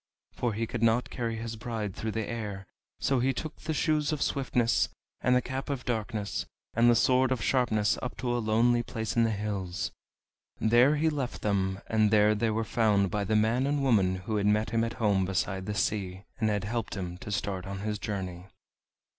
For he could not carry his bride through the air, so he took the Shoes of Swiftness, and the Cap of Darkness, and the Sword of Sharpness up to a lonely place in the hills. There he left them, and there they were found by the man and woman who had met him at home beside the sea, and had helped him to start on his journey.